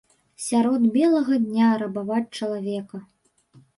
Сярод белага дня рабаваць чалавека!